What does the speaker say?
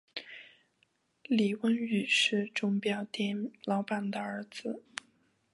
李弼雨是钟表店老板的儿子。